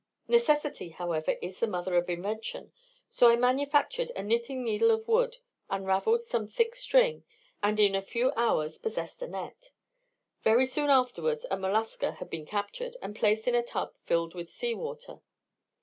Necessity, however, is the mother of invention; so I manufactured a knitting needle of wood, unravelled some thick string, and in a few hours possessed a net. Very soon afterwards a mollusca had been captured, and placed in a tub filled with sea water.